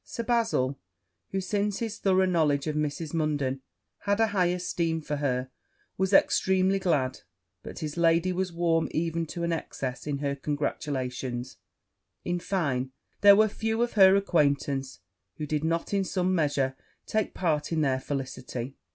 Sir Bazil, who, since his thorough knowledge of Mrs. Munden, had a high esteem of her, was extremely glad; but his lady was warm even to an excess in her congratulations: in fine, there were few of her acquaintance who did not in some measure take part in her felicity.